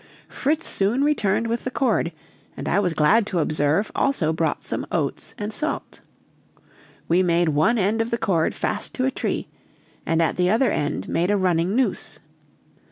Fritz soon returned with the cord, and I was glad to observe also brought some oats and salt. We made one end of the cord fast to a tree, and at the other end made a running noose.